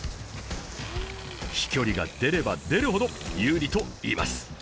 飛距離が出れば出るほど有利といいます。